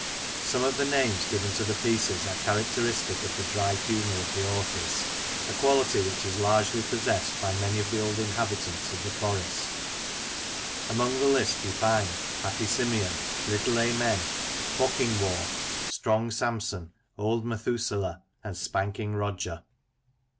Some of the names given to the pieces are characteristic of the dry humour of the authors — a quality which is largely possessed by many of the old inhabitants of the Forest. The Larks of Dean, 89 Among the list we find " Happy Simeon," " Little Amen," Bocking Warp," "Strong Samson," "Old Methuselah^" and " Spanking Roger."